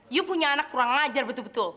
you punya anak kurang ngajar betul betul